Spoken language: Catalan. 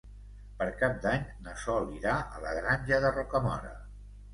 Per Cap d'Any na Sol irà a la Granja de Rocamora.